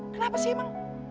kenapa sih emang